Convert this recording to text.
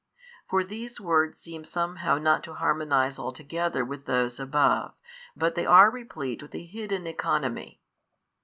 For these words seem somehow not to harmonise altogether with those above, but they are replete with a hidden economy.